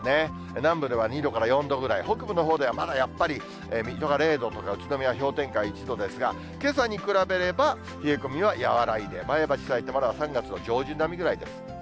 南部では２度から４度ぐらい、北部のほうではまだやっぱり水戸が０度とか宇都宮は氷点下１度ですが、けさに比べれば、冷え込みは和らいで、前橋、さいたまは、３月の上旬並みぐらいです。